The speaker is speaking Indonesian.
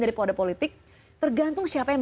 dari kode politik tergantung siapa yang